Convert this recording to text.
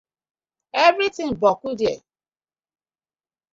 Everytins boku there.